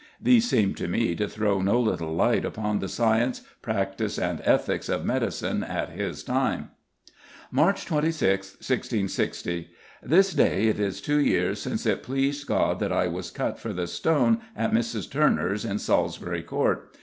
These seem to me to throw no little light upon the science, practice, and ethics of medicine at his time: "March 26th, 1660: This day it is two years since it pleased God that I was cut for the stone at Mrs. Turner's in Salisbury court.